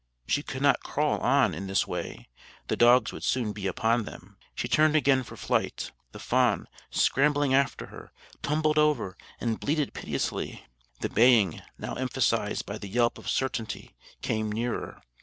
She could not crawl on in this way; the dogs would soon be upon them. She turned again for flight: the fawn, scrambling after her, tumbled over, and bleated piteously. The baying, now emphasized by the yelp of certainty, came nearer.